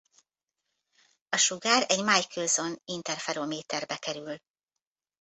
A sugár egy Michelson-interferométerbe kerül.